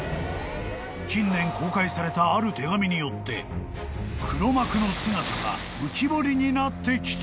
［近年公開されたある手紙によって黒幕の姿が浮き彫りになってきた！？］